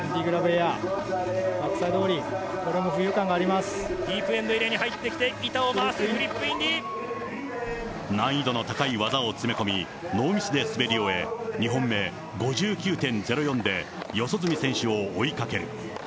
グラブエア、バックサイドオーリー、入ってきて、板を回す、難易度の高い技を詰め込み、ノーミスで滑り降り、２本目５９．０４で四十住選手を追いかける。